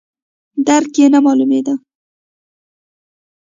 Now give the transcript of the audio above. درک یې نه معلومیږي.